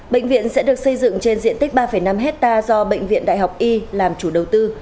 bệnh viện sẽ được xây dựng trên diện tích ba năm hectare do bệnh viện đại học y làm chủ đầu tư